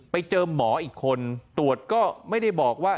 ไปเจอหมออีกคนตรวจก็ไม่ได้บอกว่า